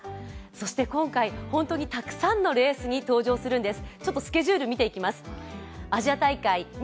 そして今回、本当にたくさんのレースに登場するんです。